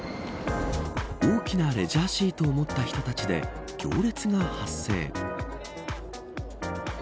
大きなレジャーシートを持った人たちで行列が発生。